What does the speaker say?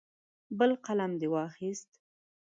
بل قلم دې واخیست.